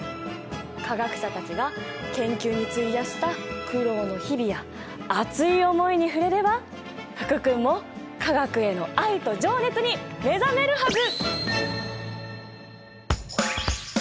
化学者たちが研究に費やした苦労の日々や熱い思いに触れれば福君も化学への愛と情熱に目覚めるはず！